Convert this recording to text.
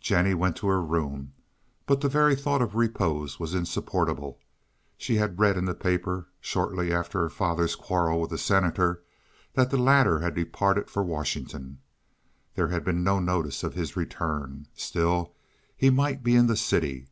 Jennie went to her room, but the very thought of repose was insupportable. She had read in the paper, shortly after her father's quarrel with the Senator, that the latter had departed for Washington. There had been no notice of his return. Still he might be in the city.